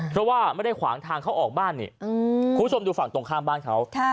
เพราะว่าไม่ได้ขวางทางเขาออกบ้านนี่คุณผู้ชมดูฝั่งตรงข้ามบ้านเขา